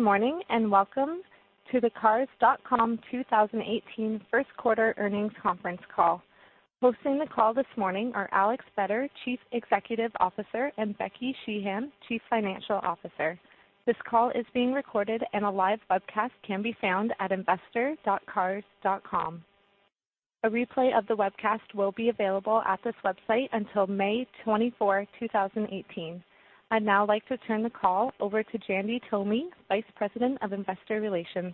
Good morning. Welcome to the Cars.com 2018 first quarter earnings conference call. Hosting the call this morning are Alex Vetter, Chief Executive Officer, and Becky Sheehan, Chief Financial Officer. This call is being recorded, and a live webcast can be found at investor.cars.com. A replay of the webcast will be available at this website until May 24, 2018. I'd now like to turn the call over to Jandy Tomy, Vice President of Investor Relations.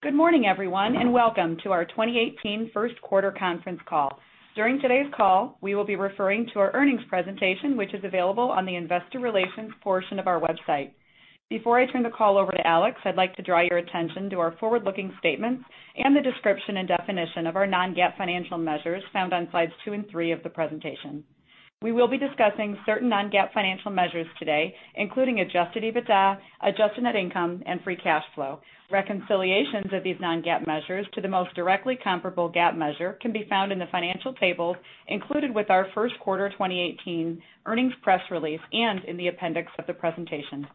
Good morning, everyone. Welcome to our 2018 first quarter conference call. During today's call, we will be referring to our earnings presentation, which is available on the investor relations portion of our website. Before I turn the call over to Alex, I'd like to draw your attention to our forward-looking statements and the description and definition of our non-GAAP financial measures found on slides two and three of the presentation. We will be discussing certain non-GAAP financial measures today, including adjusted EBITDA, adjusted net income, and free cash flow. Reconciliations of these non-GAAP measures to the most directly comparable GAAP measure can be found in the financial tables included with our first quarter 2018 earnings press release and in the appendix of the presentation.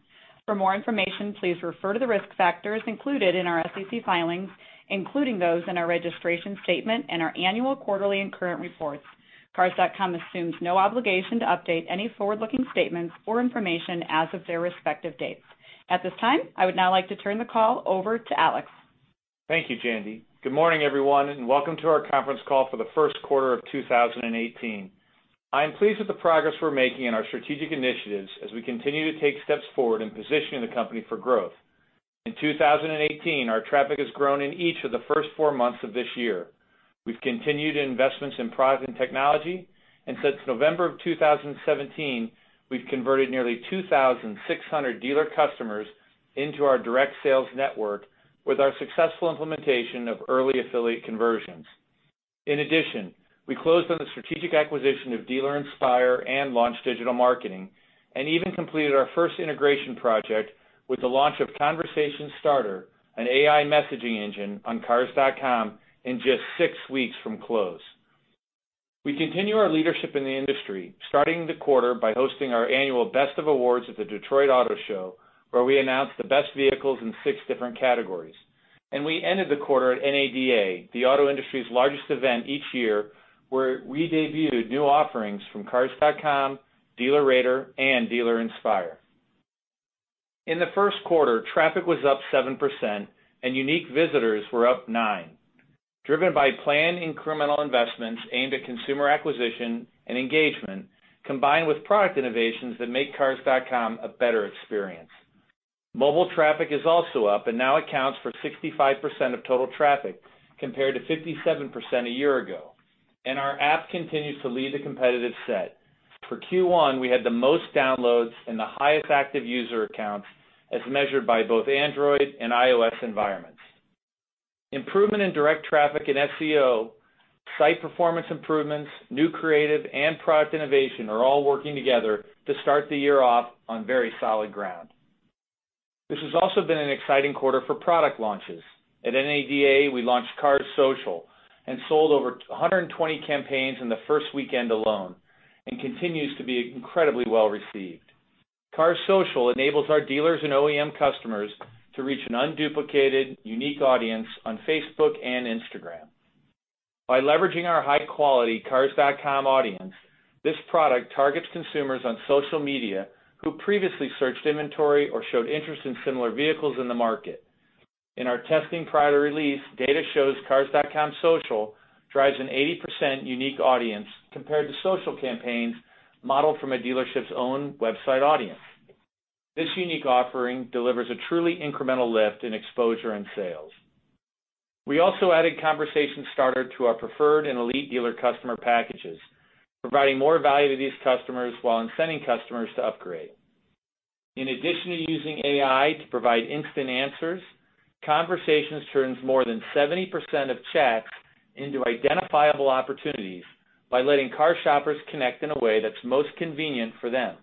For more information, please refer to the risk factors included in our SEC filings, including those in our registration statement and our annual quarterly and current reports. Cars.com assumes no obligation to update any forward-looking statements or information as of their respective dates. At this time, I would now like to turn the call over to Alex. Thank you, Jandy. Good morning, everyone. Welcome to our conference call for the first quarter of 2018. I am pleased with the progress we're making in our strategic initiatives as we continue to take steps forward in positioning the company for growth. In 2018, our traffic has grown in each of the first four months of this year. We've continued investments in product and technology, and since November of 2017, we've converted nearly 2,600 dealer customers into our direct sales network with our successful implementation of early affiliate conversions. In addition, we closed on the strategic acquisition of Dealer Inspire and Launch Digital Marketing and even completed our first integration project with the launch of Conversations Starter, an AI messaging engine on Cars.com in just six weeks from close. We continue our leadership in the industry, starting the quarter by hosting our annual Best of Awards at the Detroit Auto Show, where we announced the best vehicles in six different categories. We ended the quarter at NADA, the auto industry's largest event each year, where we debuted new offerings from Cars.com, DealerRater, and Dealer Inspire. In the first quarter, traffic was up 7% and unique visitors were up nine, driven by planned incremental investments aimed at consumer acquisition and engagement, combined with product innovations that make Cars.com a better experience. Mobile traffic is also up and now accounts for 65% of total traffic, compared to 57% a year ago. Our app continues to lead a competitive set. For Q1, we had the most downloads and the highest active user accounts as measured by both Android and iOS environments. Improvement in direct traffic in SEO, site performance improvements, new creative, and product innovation are all working together to start the year off on very solid ground. This has also been an exciting quarter for product launches. At NADA, we launched Cars Social and sold over 120 campaigns in the first weekend alone and continues to be incredibly well-received. Cars Social enables our dealers and OEM customers to reach an unduplicated, unique audience on Facebook and Instagram. By leveraging our high-quality Cars.com audience, this product targets consumers on social media who previously searched inventory or showed interest in similar vehicles in the market. In our testing prior to release, data shows Cars.com Social drives an 80% unique audience compared to social campaigns modeled from a dealership's own website audience. This unique offering delivers a truly incremental lift in exposure and sales. We also added Conversations Starter to our preferred and elite dealer customer packages, providing more value to these customers while incenting customers to upgrade. In addition to using AI to provide instant answers, Conversations turns more than 70% of chats into identifiable opportunities by letting car shoppers connect in a way that's most convenient for them.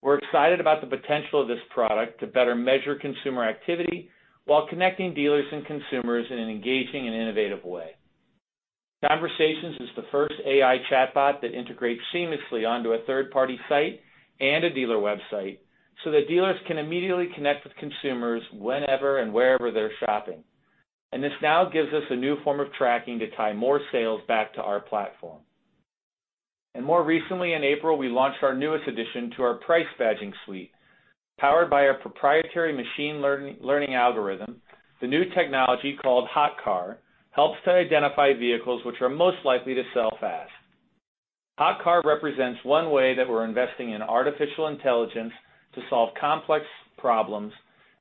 We're excited about the potential of this product to better measure consumer activity while connecting dealers and consumers in an engaging and innovative way. Conversations is the first AI chatbot that integrates seamlessly onto a third-party site and a dealer website so that dealers can immediately connect with consumers whenever and wherever they're shopping. This now gives us a new form of tracking to tie more sales back to our platform. More recently in April, we launched our newest addition to our price badging suite. Powered by our proprietary machine learning algorithm, the new technology called Hot Car helps to identify vehicles which are most likely to sell fast. Hot Car represents one way that we're investing in artificial intelligence to solve complex problems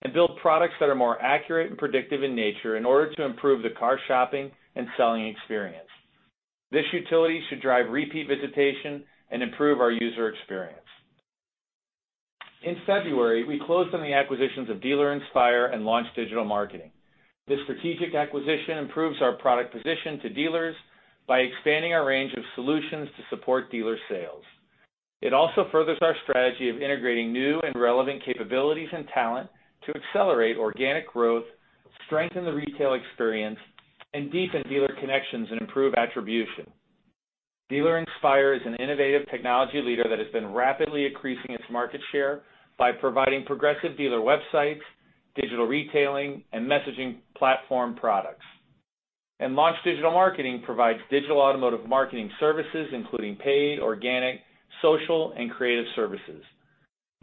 and build products that are more accurate and predictive in nature in order to improve the car shopping and selling experience. This utility should drive repeat visitation and improve our user experience. In February, we closed on the acquisitions of Dealer Inspire and Launch Digital Marketing. This strategic acquisition improves our product position to dealers by expanding our range of solutions to support dealer sales. It also furthers our strategy of integrating new and relevant capabilities and talent to accelerate organic growth, strengthen the retail experience, and deepen dealer connections and improve attribution. Dealer Inspire is an innovative technology leader that has been rapidly increasing its market share by providing progressive dealer websites, digital retailing, and messaging platform products. Launch Digital Marketing provides digital automotive marketing services including paid, organic, social, and creative services.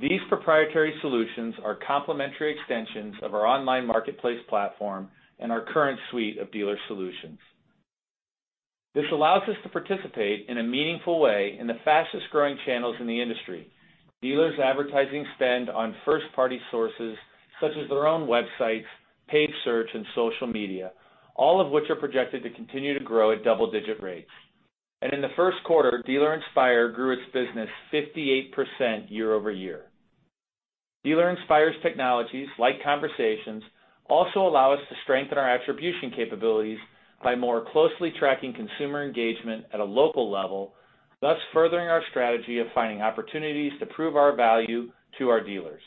These proprietary solutions are complementary extensions of our online marketplace platform and our current suite of dealer solutions. This allows us to participate in a meaningful way in the fastest-growing channels in the industry. Dealers' advertising spend on first-party sources such as their own websites, paid search, and social media, all of which are projected to continue to grow at double-digit rates. In the first quarter, Dealer Inspire grew its business 58% year-over-year. Dealer Inspire's technologies, like Conversations, also allow us to strengthen our attribution capabilities by more closely tracking consumer engagement at a local level, thus furthering our strategy of finding opportunities to prove our value to our dealers.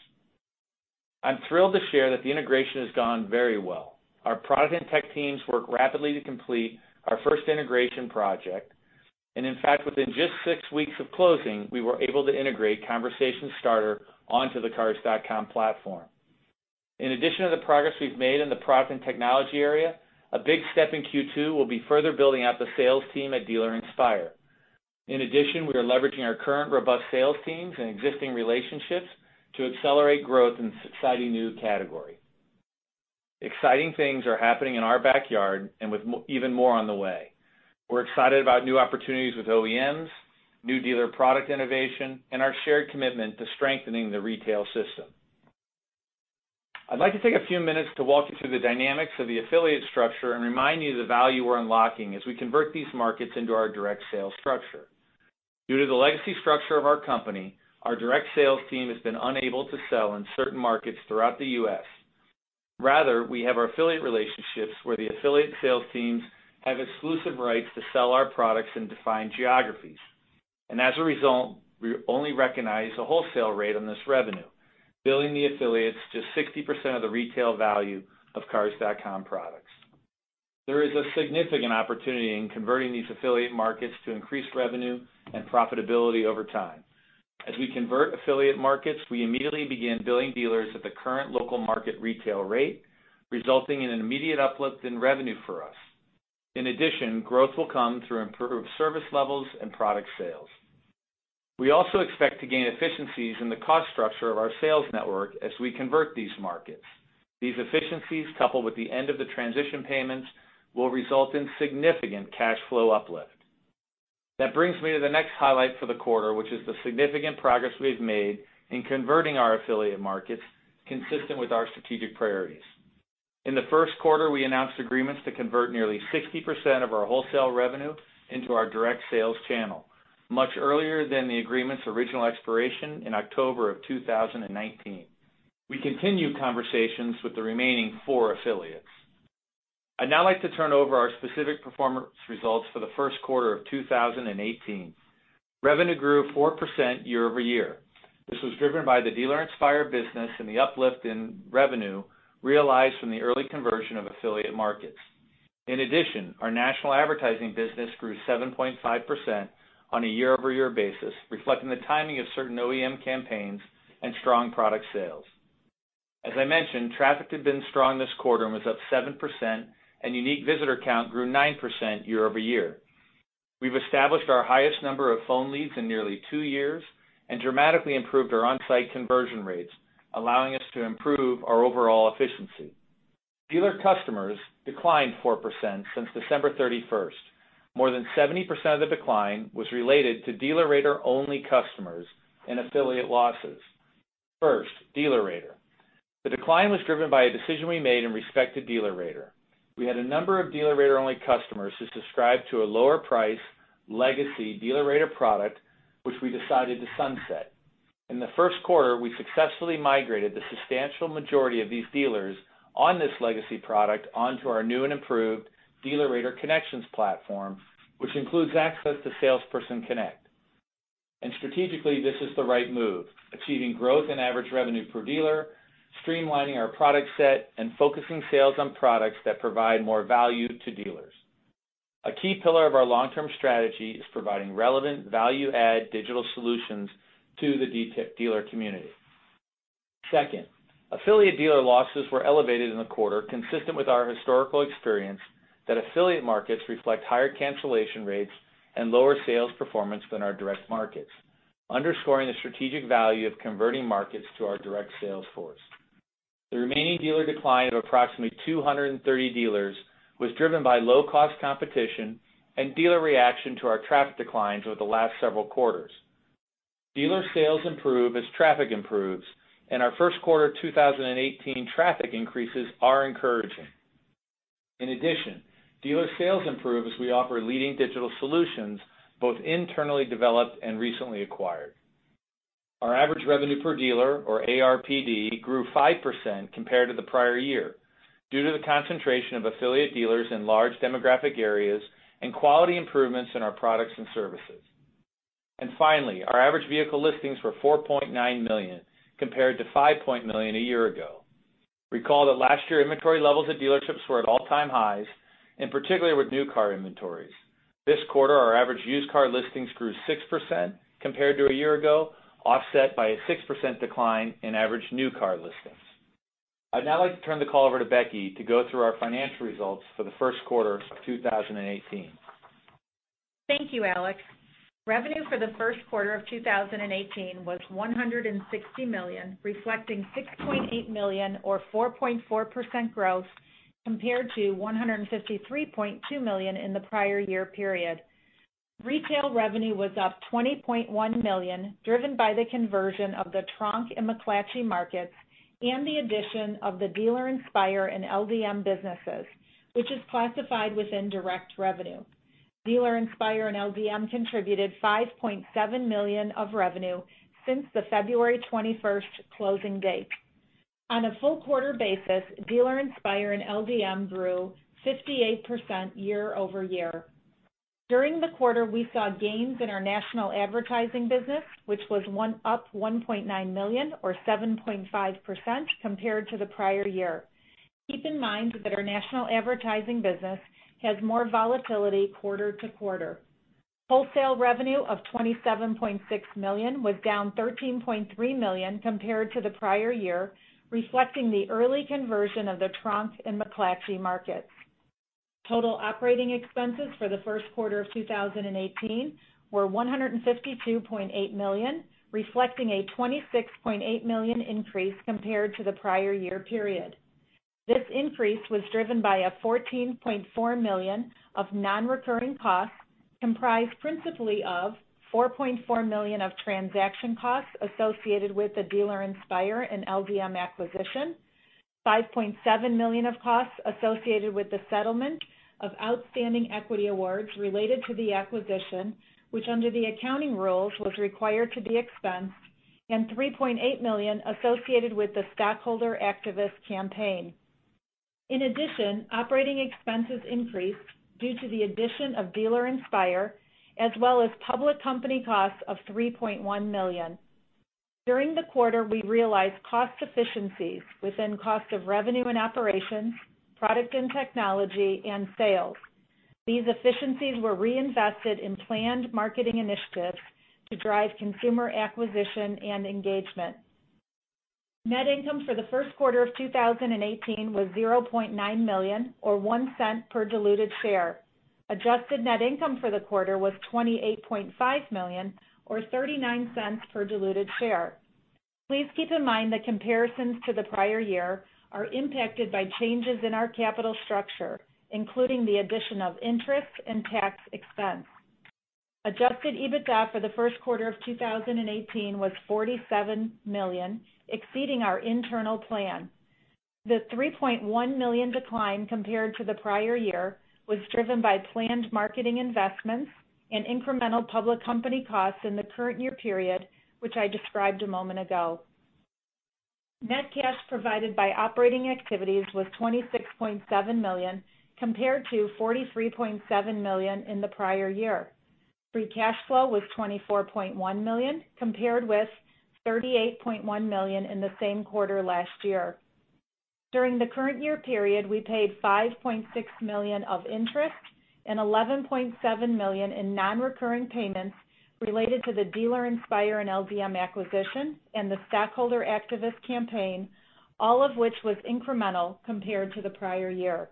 I'm thrilled to share that the integration has gone very well. Our product and tech teams worked rapidly to complete our first integration project, and in fact, within just six weeks of closing, we were able to integrate Conversations Starter onto the Cars.com platform. In addition to the progress we've made in the product and technology area, a big step in Q2 will be further building out the sales team at Dealer Inspire. We are leveraging our current robust sales teams and existing relationships to accelerate growth in this exciting new category. Exciting things are happening in our backyard and with even more on the way. We're excited about new opportunities with OEMs, new dealer product innovation, and our shared commitment to strengthening the retail system. I'd like to take a few minutes to walk you through the dynamics of the affiliate structure and remind you the value we're unlocking as we convert these markets into our direct sales structure. Due to the legacy structure of our company, our direct sales team has been unable to sell in certain markets throughout the U.S. Rather, we have our affiliate relationships where the affiliate sales teams have exclusive rights to sell our products in defined geographies. As a result, we only recognize a wholesale rate on this revenue, billing the affiliates just 60% of the retail value of Cars.com products. There is a significant opportunity in converting these affiliate markets to increase revenue and profitability over time. As we convert affiliate markets, we immediately begin billing dealers at the current local market retail rate, resulting in an immediate uplift in revenue for us. Growth will come through improved service levels and product sales. We also expect to gain efficiencies in the cost structure of our sales network as we convert these markets. These efficiencies, coupled with the end of the transition payments, will result in significant cash flow uplift. That brings me to the next highlight for the quarter, which is the significant progress we've made in converting our affiliate markets consistent with our strategic priorities. In the first quarter, we announced agreements to convert nearly 60% of our wholesale revenue into our direct sales channel, much earlier than the agreement's original expiration in October 2019. We continue conversations with the remaining four affiliates. I'd now like to turn over our specific performance results for the first quarter of 2018. Revenue grew 4% year-over-year. This was driven by the Dealer Inspire business and the uplift in revenue realized from the early conversion of affiliate markets. In addition, our national advertising business grew 7.5% on a year-over-year basis, reflecting the timing of certain OEM campaigns and strong product sales. As I mentioned, traffic had been strong this quarter and was up 7%, and unique visitor count grew 9% year-over-year. We've established our highest number of phone leads in nearly two years and dramatically improved our on-site conversion rates, allowing us to improve our overall efficiency. Dealer customers declined 4% since December 31st. More than 70% of the decline was related to DealerRater-only customers and affiliate losses. First, DealerRater. The decline was driven by a decision we made in respect to DealerRater. We had a number of DealerRater-only customers who subscribed to a lower price legacy DealerRater product, which we decided to sunset. In the first quarter, we successfully migrated the substantial majority of these dealers on this legacy product onto our new and improved DealerRater Connections platform, which includes access to Salesperson Connect. Strategically, this is the right move, achieving growth in average revenue per dealer, streamlining our product set, and focusing sales on products that provide more value to dealers. A key pillar of our long-term strategy is providing relevant value-add digital solutions to the dealer community. Second, affiliate dealer losses were elevated in the quarter, consistent with our historical experience that affiliate markets reflect higher cancellation rates and lower sales performance than our direct markets, underscoring the strategic value of converting markets to our direct sales force. The remaining dealer decline of approximately 230 dealers was driven by low-cost competition and dealer reaction to our traffic declines over the last several quarters. Dealer sales improve as traffic improves, and our first quarter 2018 traffic increases are encouraging. In addition, dealer sales improve as we offer leading digital solutions, both internally developed and recently acquired. Our average revenue per dealer, or ARPD, grew 5% compared to the prior year due to the concentration of affiliate dealers in large demographic areas and quality improvements in our products and services. Finally, our average vehicle listings were 4.9 million compared to 5 million a year ago. Recall that last year inventory levels at dealerships were at all-time highs, and particularly with new car inventories. This quarter, our average used car listings grew 6% compared to a year ago, offset by a 6% decline in average new car listings. I'd now like to turn the call over to Becky to go through our financial results for the first quarter of 2018. Thank you, Alex. Revenue for the first quarter of 2018 was $160 million, reflecting $6.8 million or 4.4% growth compared to $153.2 million in the prior year period. Retail revenue was up $20.1 million, driven by the conversion of the Tronc and McClatchy markets and the addition of the Dealer Inspire and LDM businesses, which is classified within direct revenue. Dealer Inspire and LDM contributed $5.7 million of revenue since the February 21st closing date. On a full quarter basis, Dealer Inspire and LDM grew 58% year-over-year. During the quarter, we saw gains in our national advertising business, which was up $1.9 million or 7.5% compared to the prior year. Keep in mind that our national advertising business has more volatility quarter-to-quarter. Wholesale revenue of $27.6 million was down $13.3 million compared to the prior year, reflecting the early conversion of the Tronc and McClatchy markets. Total operating expenses for the first quarter of 2018 were $152.8 million, reflecting a $26.8 million increase compared to the prior year period. This increase was driven by a $14.4 million of non-recurring costs, comprised principally of $4.4 million of transaction costs associated with the Dealer Inspire and LDM acquisition, $5.7 million of costs associated with the settlement of outstanding equity awards related to the acquisition, which under the accounting rules was required to be expensed, and $3.8 million associated with the stockholder activist campaign. In addition, operating expenses increased due to the addition of Dealer Inspire as well as public company costs of $3.1 million. During the quarter, we realized cost efficiencies within cost of revenue and operations, product and technology, and sales. These efficiencies were reinvested in planned marketing initiatives to drive consumer acquisition and engagement. Net income for the first quarter of 2018 was $0.9 million or $0.01 per diluted share. Adjusted net income for the quarter was $28.5 million or $0.39 per diluted share. Please keep in mind that comparisons to the prior year are impacted by changes in our capital structure, including the addition of interest and tax expense. Adjusted EBITDA for the first quarter of 2018 was $47 million, exceeding our internal plan. The $3.1 million decline compared to the prior year was driven by planned marketing investments and incremental public company costs in the current year period, which I described a moment ago. Net cash provided by operating activities was $26.7 million compared to $43.7 million in the prior year. Free cash flow was $24.1 million compared with $38.1 million in the same quarter last year. During the current year period, we paid $5.6 million of interest and $11.7 million in non-recurring payments related to the Dealer Inspire and LDM acquisition and the stockholder activist campaign, all of which was incremental compared to the prior year.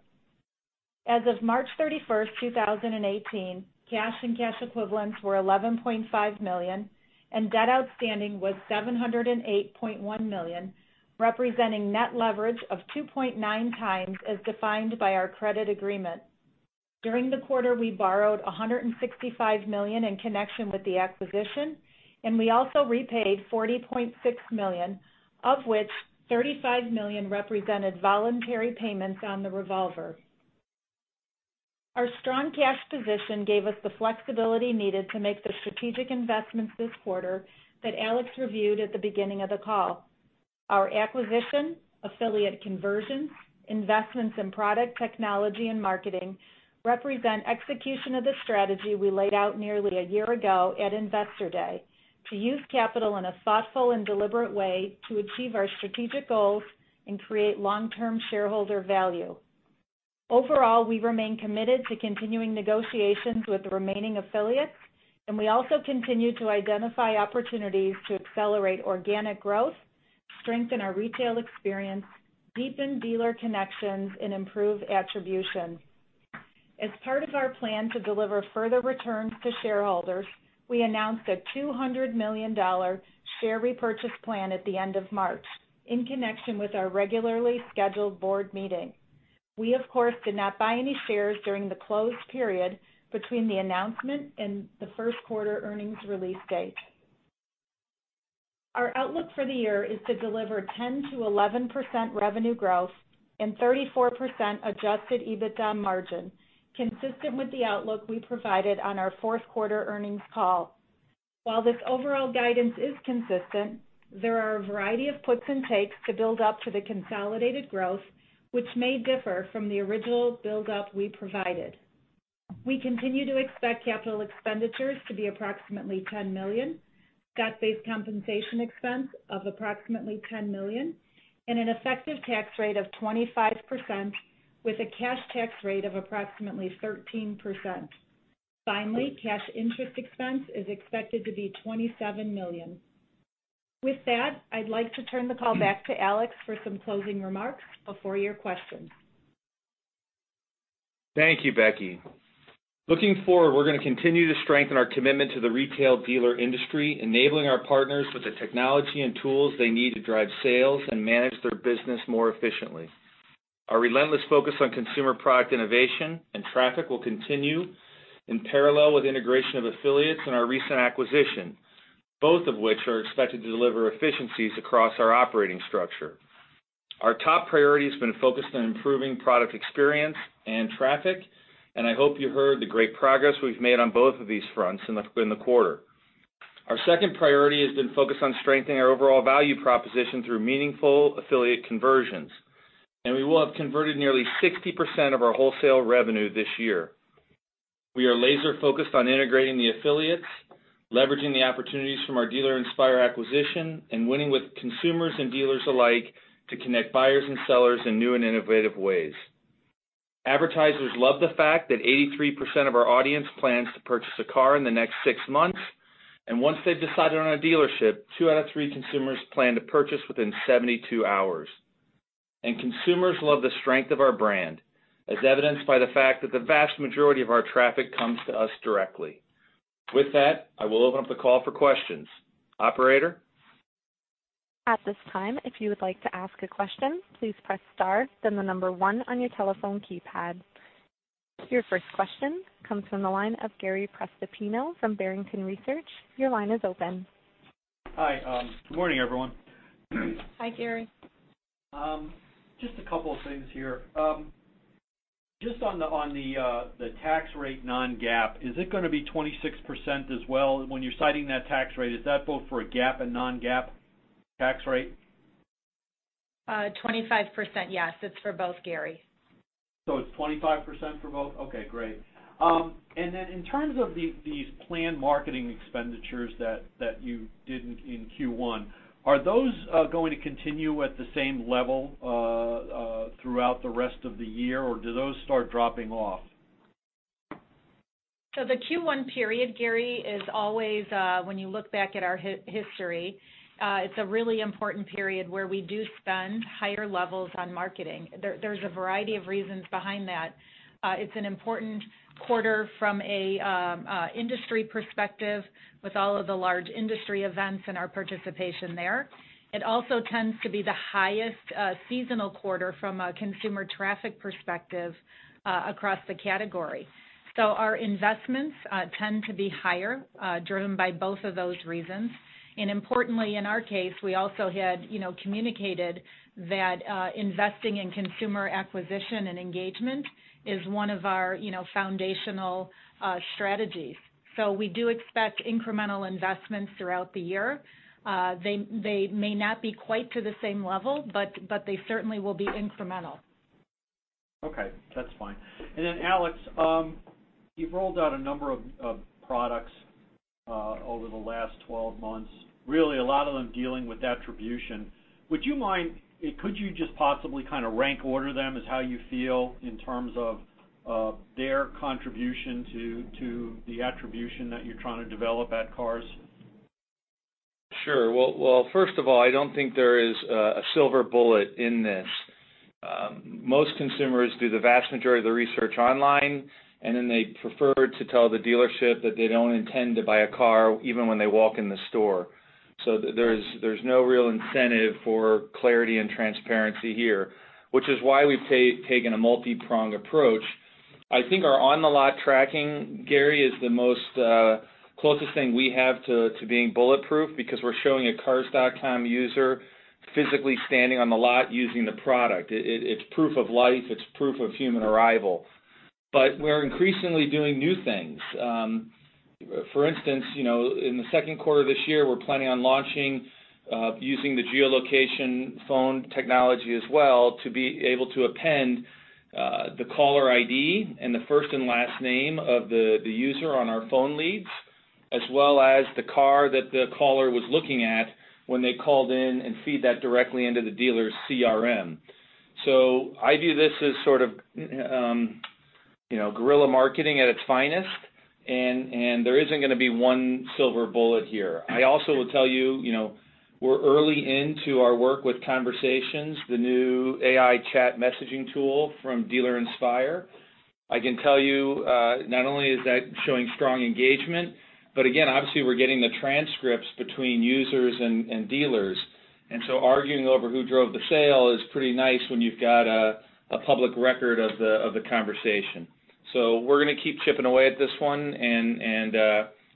As of March 31st, 2018, cash and cash equivalents were $11.5 million and debt outstanding was $708.1 million, representing net leverage of 2.9 times as defined by our credit agreement. During the quarter, we borrowed $165 million in connection with the acquisition, and we also repaid $40.6 million, of which $35 million represented voluntary payments on the revolver. Our strong cash position gave us the flexibility needed to make the strategic investments this quarter that Alex reviewed at the beginning of the call. Our acquisition, affiliate conversions, investments in product technology and marketing represent execution of the strategy we laid out nearly a year ago at Investor Day to use capital in a thoughtful and deliberate way to achieve our strategic goals and create long-term shareholder value. Overall, we remain committed to continuing negotiations with the remaining affiliates, and we also continue to identify opportunities to accelerate organic growth, strengthen our retail experience, deepen dealer connections, and improve attribution. As part of our plan to deliver further returns to shareholders, we announced a $200 million share repurchase plan at the end of March in connection with our regularly scheduled board meeting. We, of course, did not buy any shares during the closed period between the announcement and the first quarter earnings release date. Our outlook for the year is to deliver 10%-11% revenue growth and 34% adjusted EBITDA margin, consistent with the outlook we provided on our fourth quarter earnings call. While this overall guidance is consistent, there are a variety of puts and takes to build up to the consolidated growth, which may differ from the original build-up we provided. We continue to expect capital expenditures to be approximately $10 million, stock-based compensation expense of approximately $10 million, and an effective tax rate of 25% with a cash tax rate of approximately 13%. Finally, cash interest expense is expected to be $27 million. With that, I'd like to turn the call back to Alex for some closing remarks before your questions. Thank you, Becky. Looking forward, we're going to continue to strengthen our commitment to the retail dealer industry, enabling our partners with the technology and tools they need to drive sales and manage their business more efficiently. Our relentless focus on consumer product innovation and traffic will continue in parallel with integration of affiliates and our recent acquisition, both of which are expected to deliver efficiencies across our operating structure. Our top priority has been focused on improving product experience and traffic, and I hope you heard the great progress we've made on both of these fronts in the quarter. Our second priority has been focused on strengthening our overall value proposition through meaningful affiliate conversions, and we will have converted nearly 60% of our wholesale revenue this year. We are laser focused on integrating the affiliates, leveraging the opportunities from our Dealer Inspire acquisition, and winning with consumers and dealers alike to connect buyers and sellers in new and innovative ways. Advertisers love the fact that 83% of our audience plans to purchase a car in the next six months, and once they've decided on a dealership, two out of three consumers plan to purchase within 72 hours. Consumers love the strength of our brand, as evidenced by the fact that the vast majority of our traffic comes to us directly. With that, I will open up the call for questions. Operator? At this time, if you would like to ask a question, please press star, then the number one on your telephone keypad. Your first question comes from the line of Gary Prestopino from Barrington Research. Your line is open. Hi. Good morning, everyone. Hi, Gary. Just a couple of things here. Just on the tax rate non-GAAP, is it going to be 26% as well when you're citing that tax rate? Is that both for a GAAP and non-GAAP tax rate? 25%. Yes, it's for both, Gary. It's 25% for both? Okay, great. In terms of these planned marketing expenditures that you did in Q1, are those going to continue at the same level throughout the rest of the year, or do those start dropping off? The Q1 period, Gary, is always when you look back at our history, it's a really important period where we do spend higher levels on marketing. There's a variety of reasons behind that. It's an important quarter from an industry perspective with all of the large industry events and our participation there. It also tends to be the highest seasonal quarter from a consumer traffic perspective across the category. Our investments tend to be higher, driven by both of those reasons. Importantly, in our case, we also had communicated that investing in consumer acquisition and engagement is one of our foundational strategies. We do expect incremental investments throughout the year. They may not be quite to the same level, but they certainly will be incremental. Okay, that's fine. Alex, you've rolled out a number of products over the last 12 months, really a lot of them dealing with attribution. Could you just possibly rank order them as how you feel in terms of their contribution to the attribution that you're trying to develop at Cars? Sure. Well, first of all, I don't think there is a silver bullet in this. Most consumers do the vast majority of the research online, and then they prefer to tell the dealership that they don't intend to buy a car even when they walk in the store. There's no real incentive for clarity and transparency here, which is why we've taken a multi-pronged approach. I think our on the lot tracking, Gary, is the most closest thing we have to being bulletproof because we're showing a Cars.com user physically standing on the lot using the product. It's proof of life. It's proof of human arrival. We're increasingly doing new things. For instance, in the second quarter of this year, we're planning on launching using the geolocation phone technology as well to be able to append the caller ID and the first and last name of the user on our phone leads, as well as the car that the caller was looking at when they called in and feed that directly into the dealer's CRM. I view this as sort of guerrilla marketing at its finest, and there isn't going to be one silver bullet here. I also will tell you, we're early into our work with Conversations, the new AI chat messaging tool from Dealer Inspire. I can tell you not only is that showing strong engagement, but again, obviously we're getting the transcripts between users and dealers. Arguing over who drove the sale is pretty nice when you've got a public record of the conversation. We're going to keep chipping away at this one, and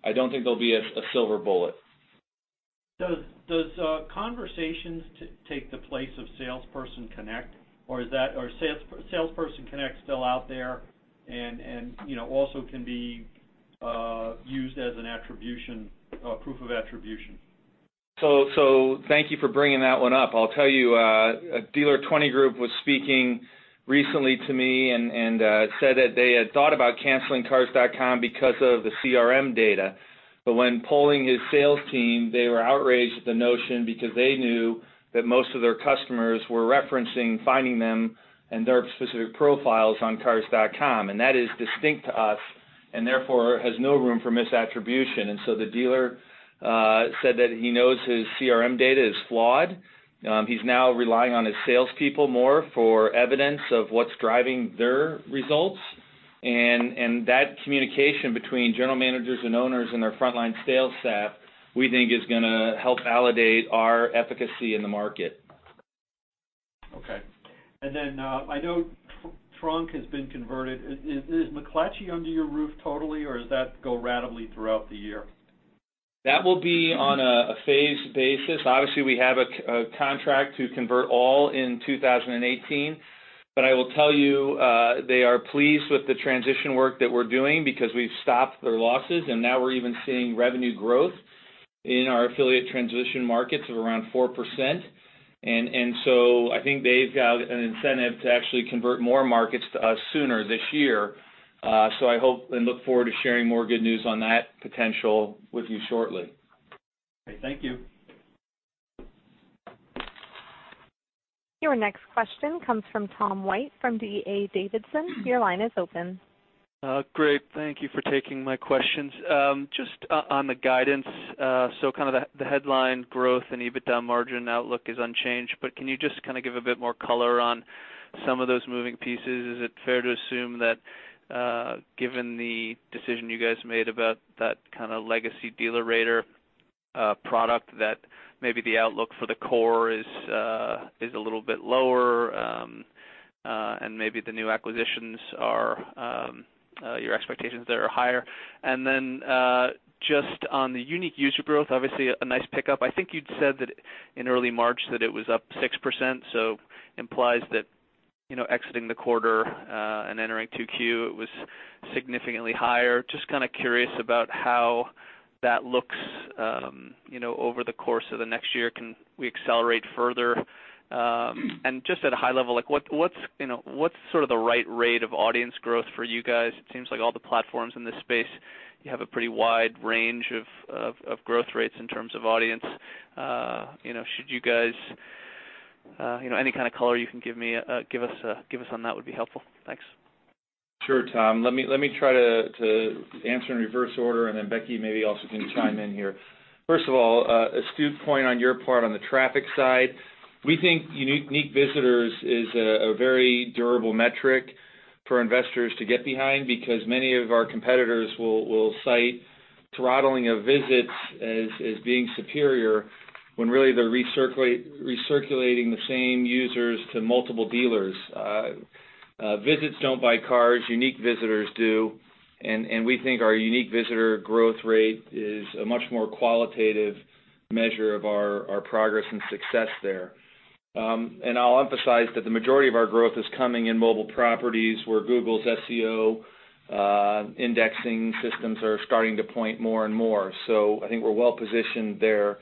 I don't think there'll be a silver bullet. Does Conversations take the place of Salesperson Connect, or is Salesperson Connect still out there and also can be used as a proof of attribution? Thank you for bringing that one up. I'll tell you, a dealer 20 group was speaking recently to me and said that they had thought about canceling Cars.com because of the CRM data. When polling his sales team, they were outraged at the notion because they knew that most of their customers were referencing finding them and their specific profiles on Cars.com, and that is distinct to us and therefore has no room for misattribution. The dealer said that he knows his CRM data is flawed. He's now relying on his salespeople more for evidence of what's driving their results. That communication between general managers and owners and their frontline sales staff, we think is going to help validate our efficacy in the market. Okay. I know Tronc has been converted. Is McClatchy under your roof totally, or does that go ratably throughout the year? That will be on a phased basis. Obviously, we have a contract to convert all in 2018. I will tell you, they are pleased with the transition work that we're doing because we've stopped their losses, and now we're even seeing revenue growth in our affiliate transition markets of around 4%. I think they've got an incentive to actually convert more markets to us sooner this year. I hope and look forward to sharing more good news on that potential with you shortly. Okay. Thank you. Your next question comes from Tom White from D.A. Davidson. Your line is open. Great. Thank you for taking my questions. Just on the guidance, so kind of the headline growth and EBITDA margin outlook is unchanged, but can you just kind of give a bit more color on some of those moving pieces? Is it fair to assume that, given the decision you guys made about that kind of legacy DealerRater product, that maybe the outlook for the core is a little bit lower, and maybe the new acquisitions, your expectations there are higher? Just on the unique user growth, obviously, a nice pickup. I think you'd said that in early March that it was up 6%, so implies that exiting the quarter and entering 2Q, it was significantly higher. Just kind of curious about how that looks over the course of the next year. Can we accelerate further? Just at a high level, what's sort of the right rate of audience growth for you guys? It seems like all the platforms in this space, you have a pretty wide range of growth rates in terms of audience. Any kind of color you can give us on that would be helpful. Thanks. Sure, Tom. Let me try to answer in reverse order, and then Becky maybe also can chime in here. First of all, astute point on your part on the traffic side. We think unique visitors is a very durable metric for investors to get behind because many of our competitors will cite throttling of visits as being superior, when really they're recirculating the same users to multiple dealers. Visits don't buy cars, unique visitors do. We think our unique visitor growth rate is a much more qualitative measure of our progress and success there. I'll emphasize that the majority of our growth is coming in mobile properties, where Google's SEO indexing systems are starting to point more and more. I think we're well positioned there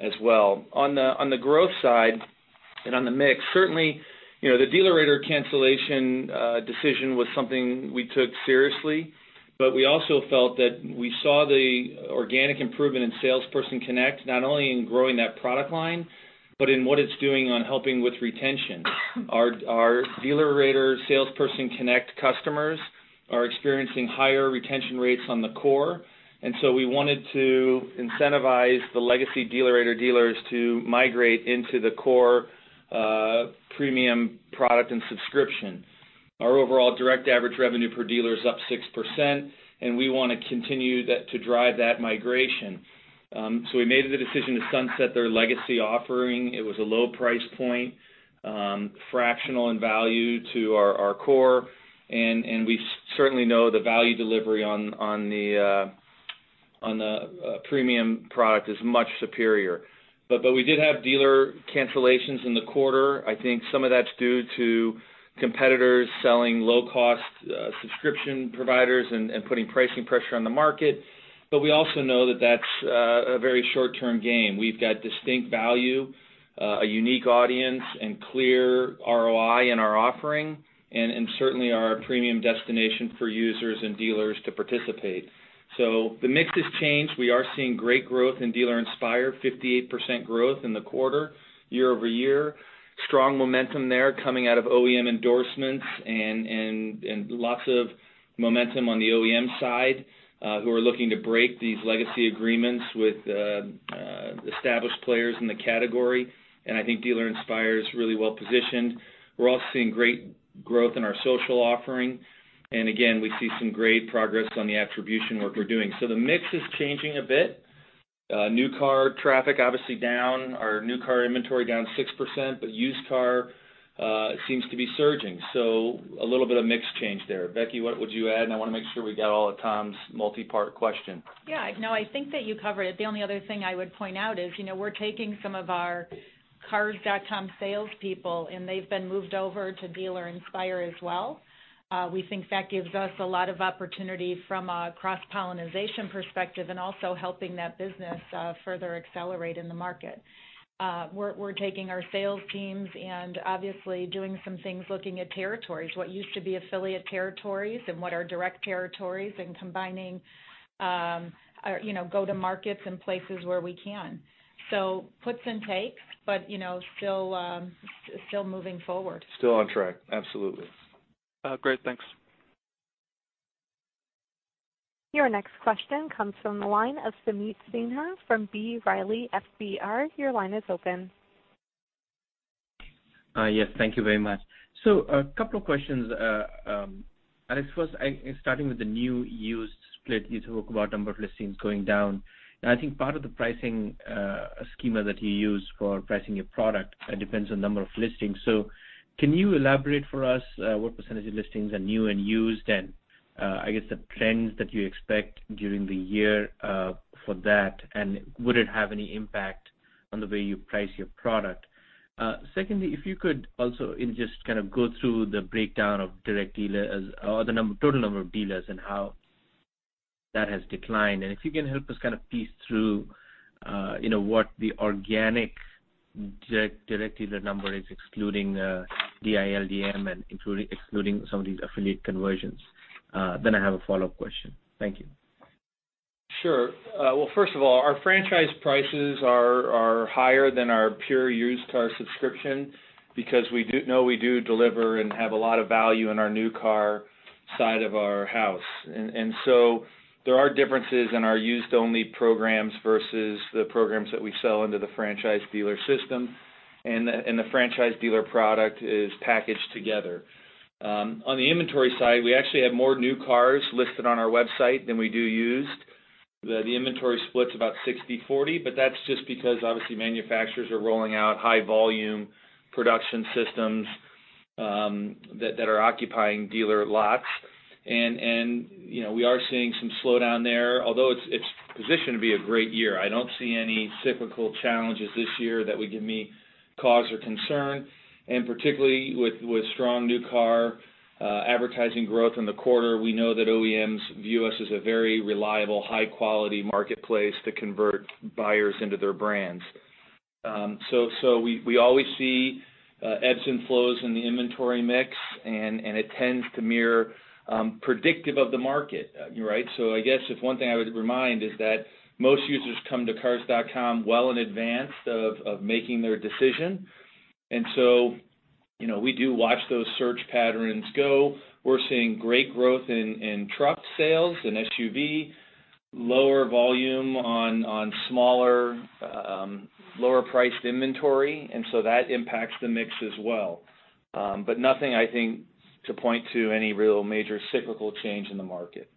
as well. On the growth side and on the mix, certainly, the DealerRater cancellation decision was something we took seriously. We also felt that we saw the organic improvement in Salesperson Connect, not only in growing that product line, but in what it's doing on helping with retention. Our DealerRater Salesperson Connect customers are experiencing higher retention rates on the core, and we wanted to incentivize the legacy DealerRater dealers to migrate into the core premium product and subscription. Our overall direct average revenue per dealer is up 6%, and we want to continue to drive that migration. We made the decision to sunset their legacy offering. It was a low price point, fractional in value to our core, and we certainly know the value delivery on the premium product is much superior. We did have dealer cancellations in the quarter. I think some of that's due to competitors selling low-cost subscription providers and putting pricing pressure on the market. We also know that that's a very short-term game. We've got distinct value, a unique audience, and clear ROI in our offering, and certainly are a premium destination for users and dealers to participate. The mix has changed. We are seeing great growth in Dealer Inspire, 58% growth in the quarter year-over-year. Strong momentum there coming out of OEM endorsements and lots of momentum on the OEM side, who are looking to break these legacy agreements with established players in the category. I think Dealer Inspire is really well positioned. We're also seeing great growth in our social offering. Again, we see some great progress on the attribution work we're doing. The mix is changing a bit. New car traffic, obviously down. Our new car inventory down 6%, but used car seems to be surging. A little bit of mix change there. Becky, what would you add? I want to make sure we got all of Tom's multi-part question. No, I think that you covered it. The only other thing I would point out is, we're taking some of our Cars.com salespeople, and they've been moved over to Dealer Inspire as well. We think that gives us a lot of opportunity from a cross-pollination perspective, and also helping that business further accelerate in the market. We're taking our sales teams and obviously doing some things, looking at territories, what used to be affiliate territories and what are direct territories, and combining go-to markets and places where we can. Puts and takes, but still moving forward. Still on track. Absolutely. Great. Thanks. Your next question comes from the line of Sameet Sinha from B. Riley FBR. Your line is open. Yes, thank you very much. A couple of questions, Alex. First, starting with the new used split. You talked about number of listings going down. I think part of the pricing schema that you use for pricing your product depends on number of listings. Can you elaborate for us what percentage of listings are new and used? I guess the trends that you expect during the year for that, and would it have any impact on the way you price your product? Secondly, if you could also just kind of go through the breakdown of total number of dealers and how that has declined. If you can help us just kind of piece through what the organic direct dealer number is, excluding the DI, LDM and excluding some of these affiliate conversions. I have a follow-up question. Thank you. Sure. Well, first of all, our franchise prices are higher than our pure used car subscription because we know we do deliver and have a lot of value in our new car side of our house. There are differences in our used only programs versus the programs that we sell under the franchise dealer system. The franchise dealer product is packaged together. On the inventory side, we actually have more new cars listed on our website than we do used. The inventory split's about 60/40, but that's just because obviously manufacturers are rolling out high volume production systems that are occupying dealer lots. We are seeing some slowdown there, although it's positioned to be a great year. I don't see any cyclical challenges this year that would give me cause or concern. Particularly with strong new car advertising growth in the quarter, we know that OEMs view us as a very reliable, high-quality marketplace to convert buyers into their brands. We always see ebbs and flows in the inventory mix, and it tends to mirror predictive of the market. Right? I guess if one thing I would remind is that most users come to Cars.com well in advance of making their decision. We do watch those search patterns go. We're seeing great growth in truck sales and SUV. Lower volume on smaller lower priced inventory, that impacts the mix as well. Nothing, I think, to point to any real major cyclical change in the market.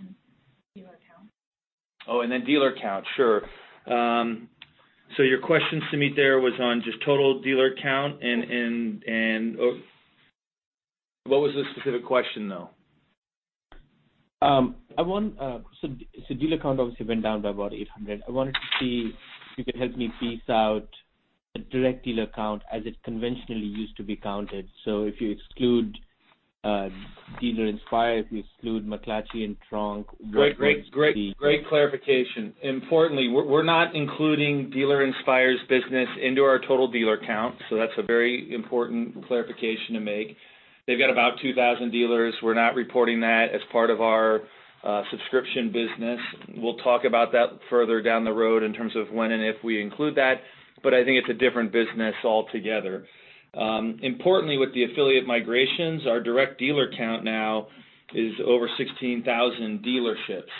Dealer count. Dealer count. Sure. Your question, Sameet, there was on just total dealer count. What was the specific question, though? dealer count obviously went down by about 800. I wanted to see if you could help me piece out the direct dealer count as it conventionally used to be counted. If you exclude Dealer Inspire, if you exclude McClatchy and Tronc. What was the Great clarification. Importantly, we're not including Dealer Inspire's business into our total dealer count, so that's a very important clarification to make. They've got about 2,000 dealers. We're not reporting that as part of our subscription business. We'll talk about that further down the road in terms of when and if we include that, but I think it's a different business altogether. Importantly, with the affiliate migrations, our direct dealer count now is over 16,000 dealerships.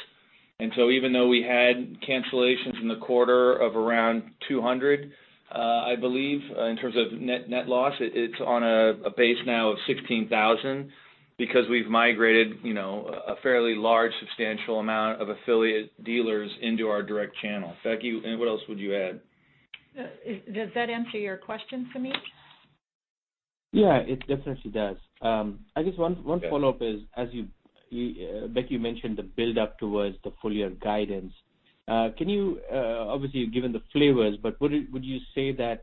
Even though we had cancellations in the quarter of around 200, I believe, in terms of net loss, it's on a base now of 16,000 because we've migrated a fairly large, substantial amount of affiliate dealers into our direct channel. Becky, what else would you add? Does that answer your question, Sameet? Yeah, it definitely does. I guess one follow-up is, as you, Becky, mentioned the buildup towards the full year guidance. Obviously, you've given the flavors, but would you say that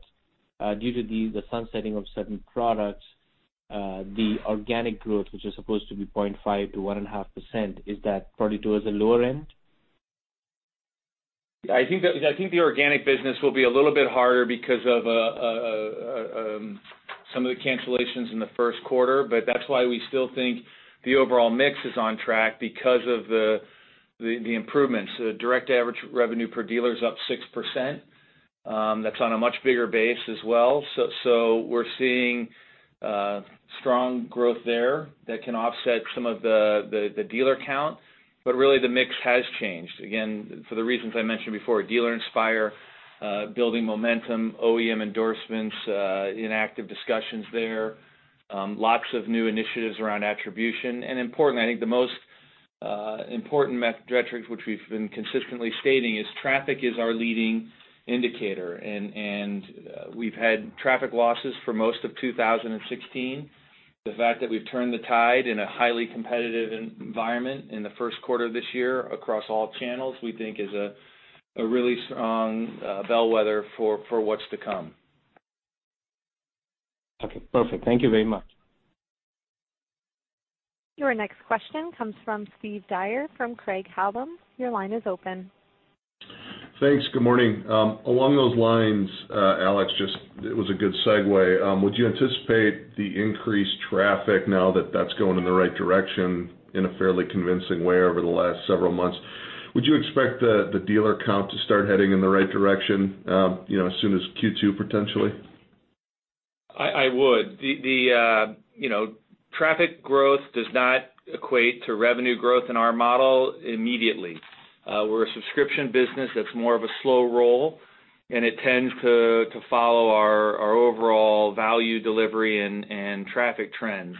due to the sunsetting of certain products, the organic growth, which is supposed to be 0.5%-1.5%, is that probably towards the lower end? I think the organic business will be a little bit harder because of some of the cancellations in the first quarter. That's why we still think the overall mix is on track because of the improvements. Direct average revenue per dealer is up 6%. That's on a much bigger base as well. We're seeing strong growth there that can offset some of the dealer count. Really, the mix has changed. Again, for the reasons I mentioned before, Dealer Inspire building momentum, OEM endorsements in active discussions there. Lots of new initiatives around attribution. Importantly, I think the most important metric which we've been consistently stating is traffic is our leading indicator. We've had traffic losses for most of 2016. The fact that we've turned the tide in a highly competitive environment in the first quarter of this year across all channels, we think is a really strong bellwether for what's to come. Okay, perfect. Thank you very much. Your next question comes from Steve Dyer from Craig-Hallum. Your line is open. Thanks. Good morning. Along those lines, Alex, it was a good segue. Would you anticipate the increased traffic now that that's going in the right direction in a fairly convincing way over the last several months? Would you expect the dealer count to start heading in the right direction, as soon as Q2 potentially? I would. Traffic growth does not equate to revenue growth in our model immediately. We're a subscription business that's more of a slow roll and it tends to follow our overall value delivery and traffic trends.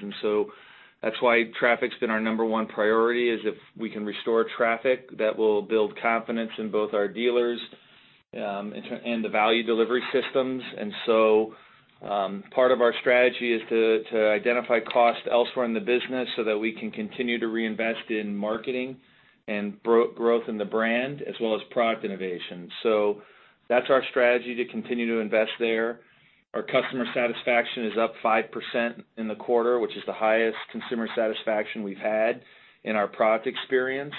That's why traffic's been our number one priority, is if we can restore traffic, that will build confidence in both our dealers, and the value delivery systems. Part of our strategy is to identify costs elsewhere in the business so that we can continue to reinvest in marketing and growth in the brand as well as product innovation. That's our strategy to continue to invest there. Our customer satisfaction is up 5% in the quarter, which is the highest consumer satisfaction we've had in our product experience.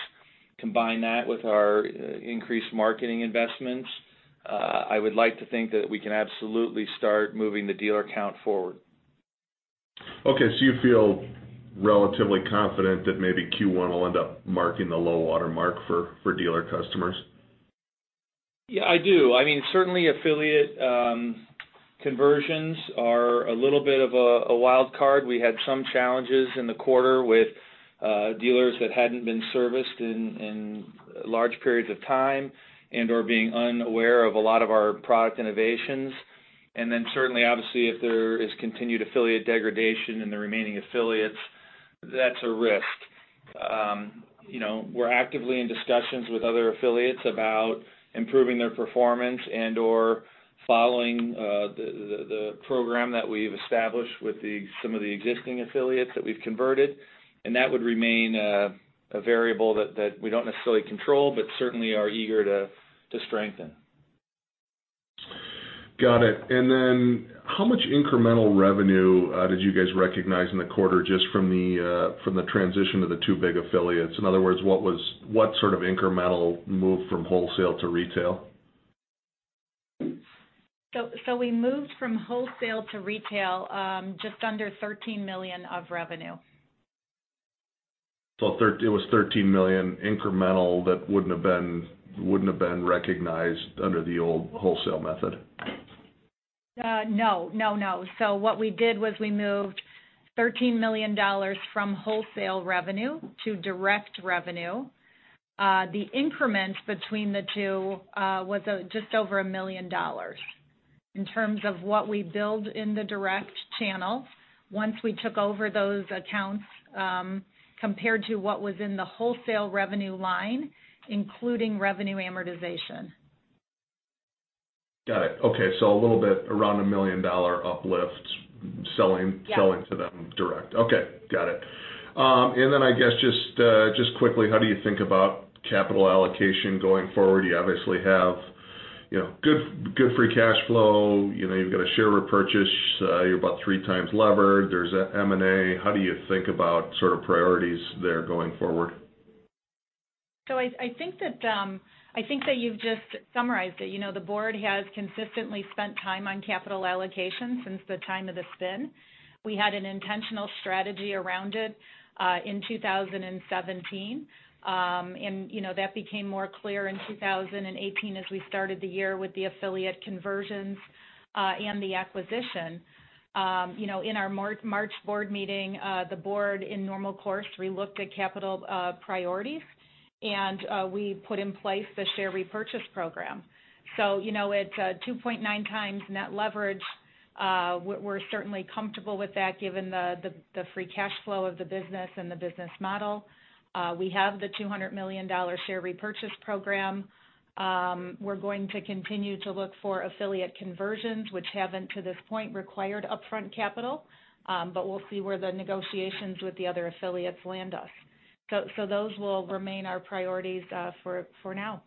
Combine that with our increased marketing investments, I would like to think that we can absolutely start moving the dealer count forward. Okay, you feel relatively confident that maybe Q1 will end up marking the low water mark for dealer customers? Yeah, I do. Certainly affiliate conversions are a little bit of a wild card. We had some challenges in the quarter with dealers that hadn't been serviced in large periods of time and/or being unaware of a lot of our product innovations. Certainly, obviously, if there is continued affiliate degradation in the remaining affiliates, that's a risk. We're actively in discussions with other affiliates about improving their performance and/or following the program that we've established with some of the existing affiliates that we've converted. That would remain a variable that we don't necessarily control but certainly are eager to strengthen. Got it. How much incremental revenue did you guys recognize in the quarter just from the transition to the two big affiliates? In other words, what sort of incremental move from wholesale to retail? We moved from wholesale to retail, just under $13 million of revenue. It was $13 million incremental that wouldn't have been recognized under the old wholesale method? No. What we did was we moved $13 million from wholesale revenue to direct revenue. The increment between the two was just over $1 million in terms of what we build in the direct channel once we took over those accounts, compared to what was in the wholesale revenue line, including revenue amortization. Got it. Okay. A little bit, around a $1 million uplift. Yeah selling to them direct. Okay. Got it. I guess just quickly, how do you think about capital allocation going forward? You obviously have good free cash flow. You've got a share repurchase. You're about three times levered. There's M&A. How do you think about sort of priorities there going forward? I think that you've just summarized it. The board has consistently spent time on capital allocation since the time of the spin. We had an intentional strategy around it, in 2017. That became more clear in 2018 as we started the year with the affiliate conversions, and the acquisition. In our March board meeting, the board in normal course re-looked at capital priorities, and we put in place the share repurchase program. It's a 2.9 times net leverage. We're certainly comfortable with that given the free cash flow of the business and the business model. We have the $200 million share repurchase program. We're going to continue to look for affiliate conversions, which haven't, to this point, required upfront capital. We'll see where the negotiations with the other affiliates land us. Those will remain our priorities for now.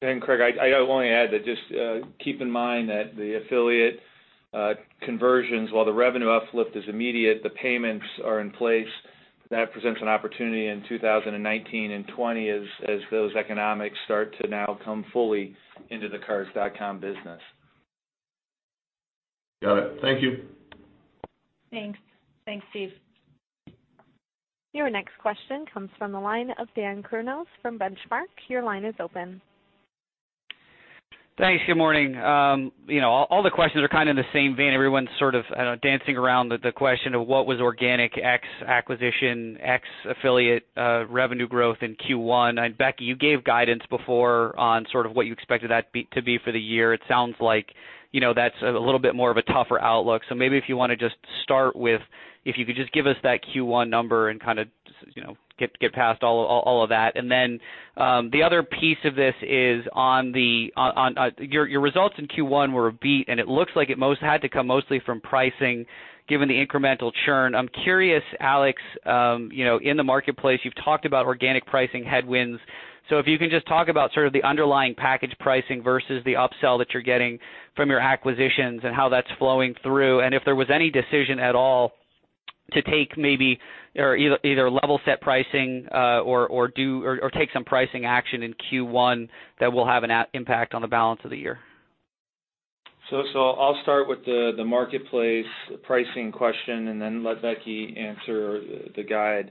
Craig, I will only add that just keep in mind that the affiliate conversions, while the revenue uplift is immediate, the payments are in place. That presents an opportunity in 2019 and 2020 as those economics start to now come fully into the Cars.com business. Got it. Thank you. Thanks. Thanks, Steve. Your next question comes from the line of Dan Kurnos from Benchmark. Your line is open. Thanks. Good morning. All the questions are kind of in the same vein. Everyone's sort of dancing around the question of what was organic X acquisition, X affiliate revenue growth in Q1. Becky, you gave guidance before on sort of what you expected that to be for the year. It sounds like that's a little bit more of a tougher outlook. Maybe if you want to just start with, if you could just give us that Q1 number and kind of get past all of that. The other piece of this is on your results in Q1 were a beat, and it looks like it had to come mostly from pricing given the incremental churn. I'm curious, Alex, in the marketplace, you've talked about organic pricing headwinds. If you can just talk about sort of the underlying package pricing versus the upsell that you're getting from your acquisitions and how that's flowing through, and if there was any decision at all to take maybe either level set pricing or take some pricing action in Q1 that will have an impact on the balance of the year. I'll start with the marketplace pricing question and then let Becky answer the guide.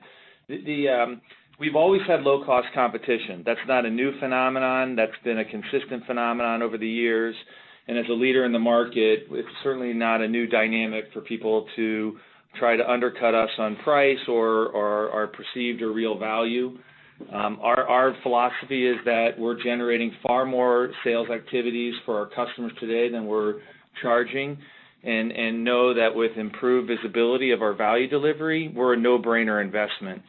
We've always had low-cost competition. That's not a new phenomenon. That's been a consistent phenomenon over the years. As a leader in the market, it's certainly not a new dynamic for people to try to undercut us on price or our perceived or real value. Our philosophy is that we're generating far more sales activities for our customers today than we're charging. We know that with improved visibility of our value delivery, we're a no-brainer investment.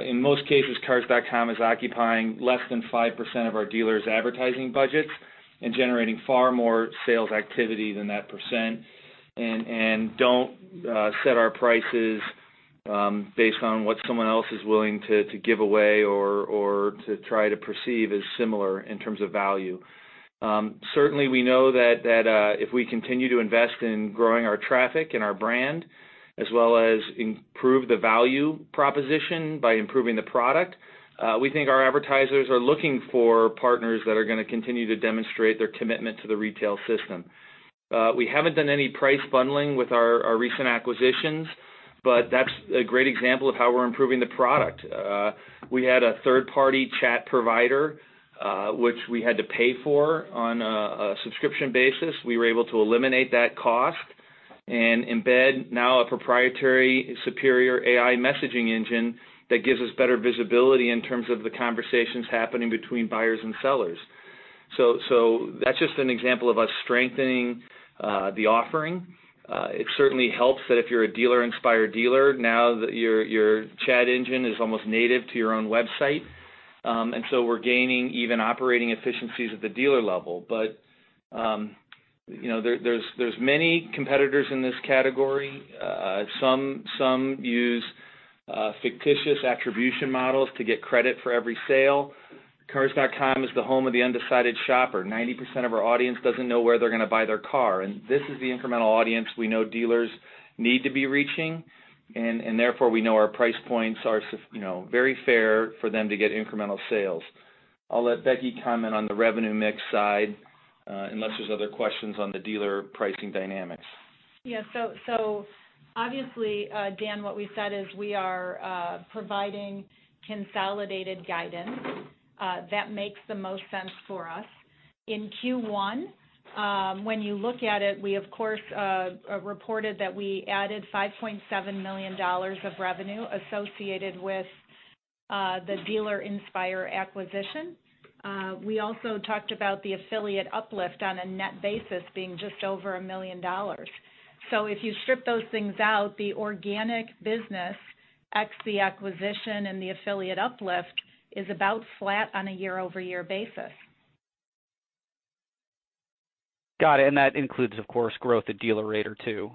In most cases, Cars.com is occupying less than 5% of our dealers' advertising budgets and generating far more sales activity than that percent. We don't set our prices based on what someone else is willing to give away or to try to perceive as similar in terms of value. Certainly, we know that if we continue to invest in growing our traffic and our brand, as well as improve the value proposition by improving the product, we think our advertisers are looking for partners that are going to continue to demonstrate their commitment to the retail system. We haven't done any price bundling with our recent acquisitions. That's a great example of how we're improving the product. We had a third-party chat provider, which we had to pay for on a subscription basis. We were able to eliminate that cost and embed now a proprietary superior AI messaging engine that gives us better visibility in terms of the conversations happening between buyers and sellers. That's just an example of us strengthening the offering. It certainly helps that if you're a Dealer Inspire dealer, now that your chat engine is almost native to your own website. We're gaining even operating efficiencies at the dealer level. There's many competitors in this category. Some use fictitious attribution models to get credit for every sale. Cars.com is the home of the undecided shopper. 90% of our audience doesn't know where they're going to buy their car. This is the incremental audience we know dealers need to be reaching. Therefore, we know our price points are very fair for them to get incremental sales. I'll let Becky comment on the revenue mix side, unless there's other questions on the dealer pricing dynamics. Obviously, Dan, what we said is we are providing consolidated guidance that makes the most sense for us. In Q1, when you look at it, we of course, reported that we added $5.7 million of revenue associated with the Dealer Inspire acquisition. We also talked about the affiliate uplift on a net basis being just over $1 million. If you strip those things out, the organic business, x the acquisition and the affiliate uplift, is about flat on a year-over-year basis. Got it. That includes, of course, growth at DealerRater too.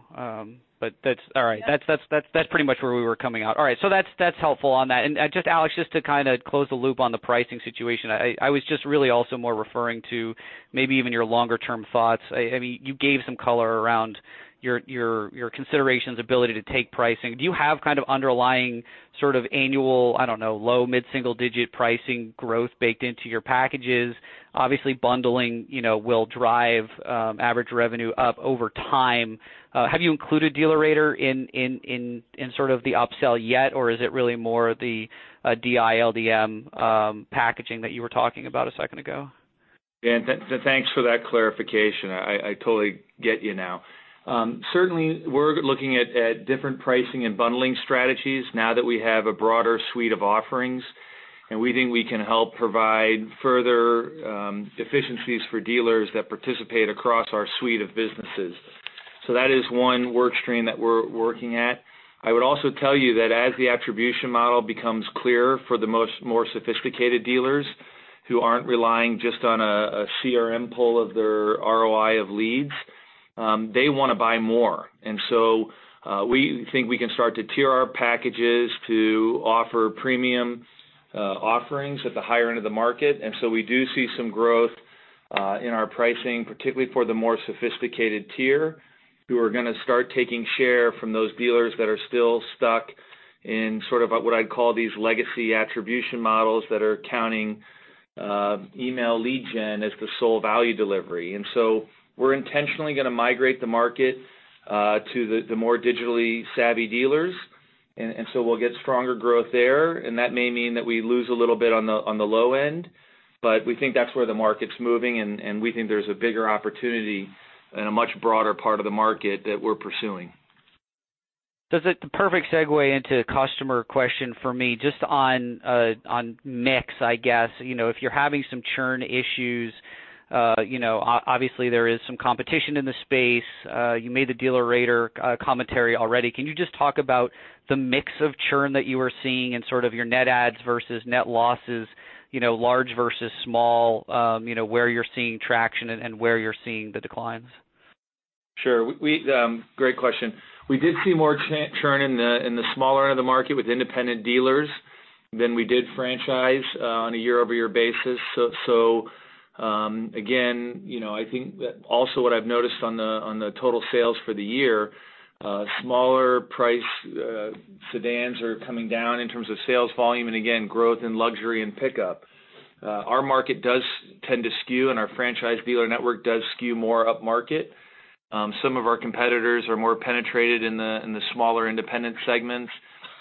That's all right. Yep. That's pretty much where we were coming out. All right. That's helpful on that. Just Alex, just to close the loop on the pricing situation, I was just really also more referring to maybe even your longer-term thoughts. You gave some color around your considerations, ability to take pricing. Do you have kind of underlying sort of annual, I don't know, low mid-single digit pricing growth baked into your packages? Obviously, bundling will drive average revenue up over time. Have you included DealerRater in sort of the upsell yet, or is it really more the DI, LDM packaging that you were talking about a second ago? Dan, thanks for that clarification. I totally get you now. Certainly, we're looking at different pricing and bundling strategies now that we have a broader suite of offerings, and we think we can help provide further efficiencies for dealers that participate across our suite of businesses. That is one work stream that we're working at. I would also tell you that as the attribution model becomes clearer for the more sophisticated dealers who aren't relying just on a CRM poll of their ROI of leads, they want to buy more. We think we can start to tier our packages to offer premium offerings at the higher end of the market. We do see some growth in our pricing, particularly for the more sophisticated tier, who are going to start taking share from those dealers that are still stuck in sort of what I'd call these legacy attribution models that are counting email lead gen as the sole value delivery. We're intentionally going to migrate the market to the more digitally savvy dealers, and so we'll get stronger growth there, and that may mean that we lose a little bit on the low end. We think that's where the market's moving, and we think there's a bigger opportunity and a much broader part of the market that we're pursuing. That's a perfect segue into a customer question for me, just on mix, I guess. If you're having some churn issues, obviously there is some competition in the space. You made the DealerRater commentary already. Can you just talk about the mix of churn that you are seeing in sort of your net adds versus net losses, large versus small, where you're seeing traction and where you're seeing the declines? Sure. Great question. We did see more churn in the smaller end of the market with independent dealers than we did franchise on a year-over-year basis. Again, I think that also what I've noticed on the total sales for the year, smaller price sedans are coming down in terms of sales volume, and again growth in luxury and pickup. Our market does tend to skew, and our franchise dealer network does skew more upmarket. Some of our competitors are more penetrated in the smaller independent segments.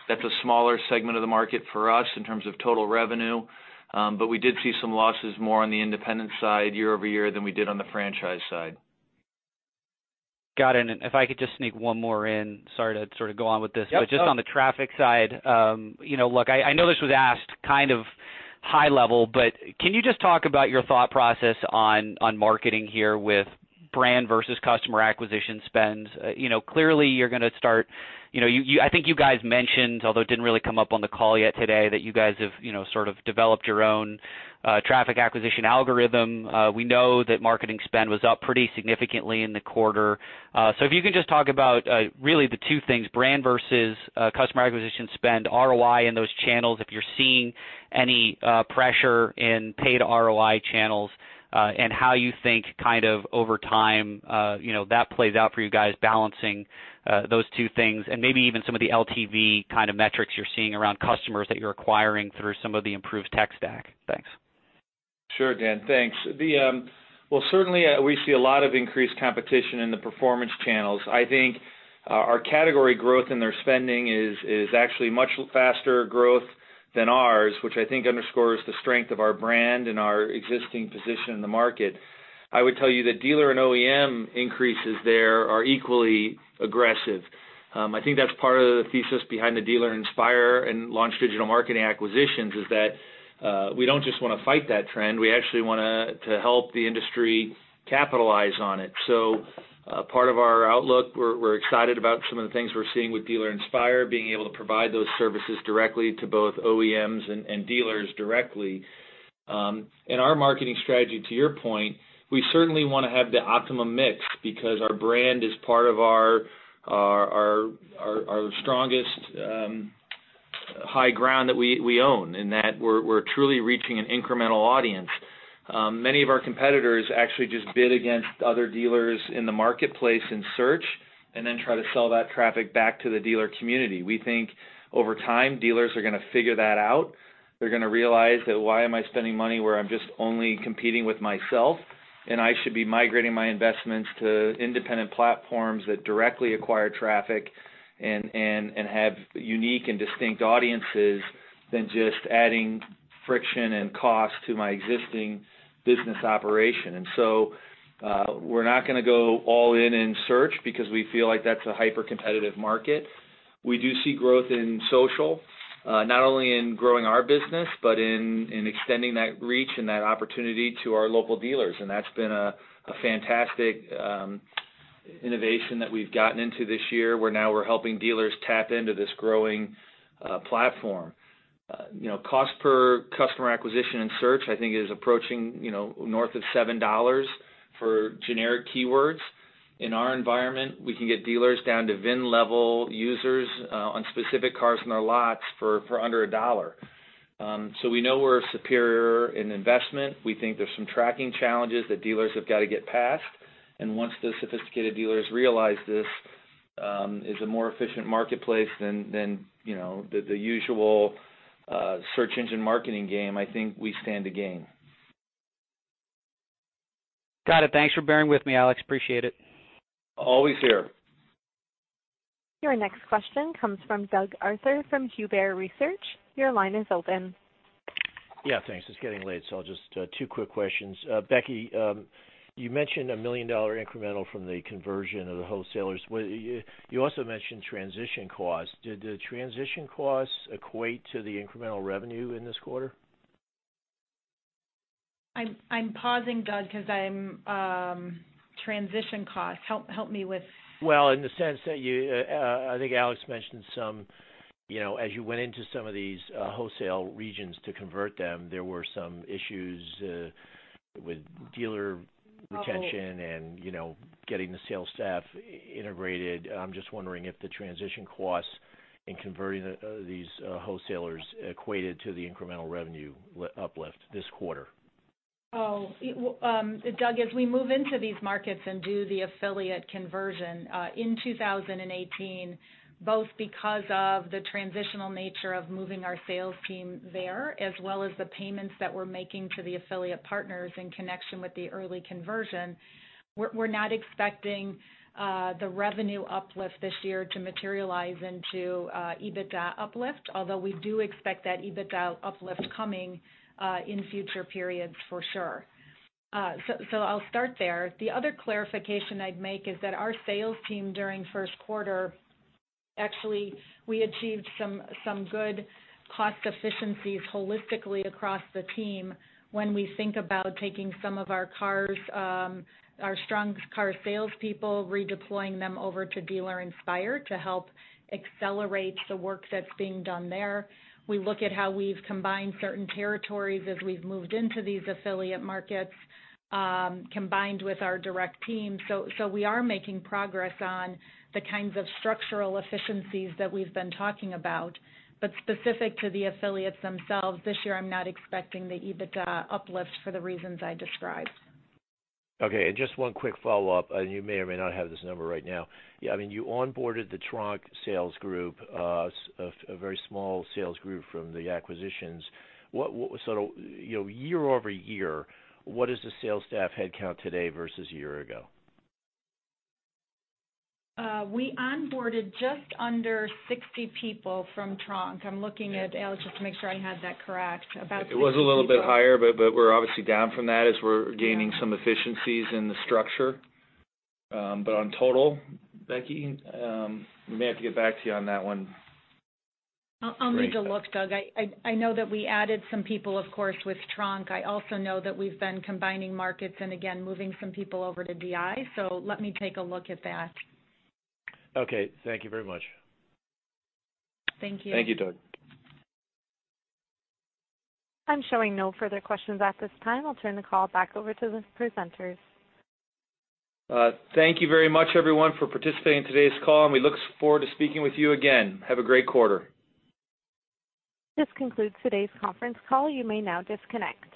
That's a smaller segment of the market for us in terms of total revenue. We did see some losses more on the independent side year-over-year than we did on the franchise side. Got it. If I could just sneak one more in. Sorry to sort of go on with this. Yep. Just on the traffic side, look, I know this was asked kind of high-level, but can you just talk about your thought process on marketing here with brand versus customer acquisition spends? Clearly, you're going to start, I think you guys mentioned, although it didn't really come up on the call yet today, that you guys have sort of developed your own traffic acquisition algorithm. We know that marketing spend was up pretty significantly in the quarter. So if you could just talk about really the two things, brand versus customer acquisition spend, ROI in those channels, if you're seeing any pressure in paid ROI channels, and how you think kind of over time that plays out for you guys balancing those two things. And maybe even some of the LTV kind of metrics you're seeing around customers that you're acquiring through some of the improved tech stack. Thanks. Sure, Dan, thanks. Certainly, we see a lot of increased competition in the performance channels. I think our category growth in their spending is actually much faster growth than ours, which I think underscores the strength of our brand and our existing position in the market. I would tell you that dealer and OEM increases there are equally aggressive. I think that's part of the thesis behind the Dealer Inspire and Launch Digital Marketing acquisitions is that we don't just want to fight that trend. We actually want to help the industry capitalize on it. Part of our outlook, we're excited about some of the things we're seeing with Dealer Inspire being able to provide those services directly to both OEMs and dealers directly. Our marketing strategy, to your point, we certainly want to have the optimum mix because our brand is part of our strongest high ground that we own, in that we're truly reaching an incremental audience. Many of our competitors actually just bid against other dealers in the marketplace in search and then try to sell that traffic back to the dealer community. We think over time, dealers are going to figure that out. They're going to realize that, "Why am I spending money where I'm just only competing with myself? I should be migrating my investments to independent platforms that directly acquire traffic and have unique and distinct audiences than just adding friction and cost to my existing business operation." We're not going to go all in in search because we feel like that's a hyper-competitive market. We do see growth in social, not only in growing our business, but in extending that reach and that opportunity to our local dealers. That's been a fantastic innovation that we've gotten into this year, where now we're helping dealers tap into this growing platform. Cost per customer acquisition in search, I think is approaching north of $7 for generic keywords. In our environment, we can get dealers down to VIN level users on specific cars in our lots for under a dollar. We know we're superior in investment. We think there's some tracking challenges that dealers have got to get past. Once the sophisticated dealers realize this is a more efficient marketplace than the usual search engine marketing game, I think we stand to gain. Got it. Thanks for bearing with me, Alex. Appreciate it. Always here. Your next question comes from Doug Arthur from Huber Research. Your line is open. Yeah, thanks. It's getting late, so two quick questions. Becky, you mentioned a million-dollar incremental from the conversion of the wholesalers. You also mentioned transition costs. Did the transition costs equate to the incremental revenue in this quarter? I'm pausing, Doug, because transition costs. Help me with- Well, in the sense that you, I think Alex mentioned some, as you went into some of these wholesale regions to convert them, there were some issues with dealer retention- Oh Getting the sales staff integrated. I'm just wondering if the transition costs in converting these wholesalers equated to the incremental revenue uplift this quarter. Oh. Doug, as we move into these markets and do the affiliate conversion, in 2018, both because of the transitional nature of moving our sales team there as well as the payments that we're making to the affiliate partners in connection with the early conversion, we're not expecting the revenue uplift this year to materialize into EBITDA uplift, although we do expect that EBITDA uplift coming in future periods for sure. I'll start there. The other clarification I'd make is that our sales team during first quarter, actually, we achieved some good cost efficiencies holistically across the team when we think about taking some of our strongest car salespeople, redeploying them over to Dealer Inspire to help accelerate the work that's being done there. We look at how we've combined certain territories as we've moved into these affiliate markets, combined with our direct team. We are making progress on the kinds of structural efficiencies that we've been talking about. Specific to the affiliates themselves this year, I'm not expecting the EBITDA uplift for the reasons I described. Just one quick follow-up. You may or may not have this number right now. I mean, you onboarded the Tronc sales group, a very small sales group from the acquisitions. Year-over-year, what is the sales staff headcount today versus a year ago? We onboarded just under 60 people from Tronc. I'm looking at Alex just to make sure I have that correct. About 60 people. It was a little bit higher, but we're obviously down from that as we're gaining some efficiencies in the structure. On total, Becky, we may have to get back to you on that one. I'll need to look, Doug. I know that we added some people, of course, with Tronc. I also know that we've been combining markets and again, moving some people over to DI, so let me take a look at that. Okay. Thank you very much. Thank you. Thank you, Doug. I'm showing no further questions at this time. I'll turn the call back over to the presenters. Thank you very much everyone for participating in today's call, and we look forward to speaking with you again. Have a great quarter. This concludes today's conference call. You may now disconnect.